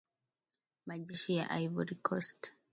majeshi ya ivory coast